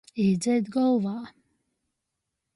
Īdzeit golvā.